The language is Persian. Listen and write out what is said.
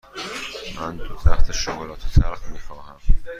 من دو تخته شکلات تلخ می خواهم.